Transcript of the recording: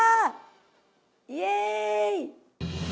イエーイ！